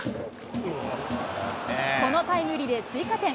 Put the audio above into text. このタイムリーで追加点。